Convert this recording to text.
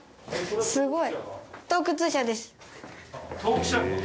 すごい。